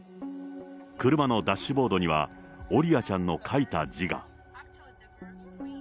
車のダッシュボードには、オリアちゃんの書いた字が。